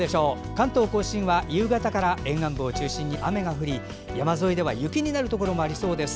関東・甲信は夕方から沿岸部を中心に雨が降り山沿いでは雪になるところもありそうです。